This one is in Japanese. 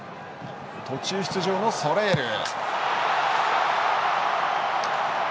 途中出場のソレール！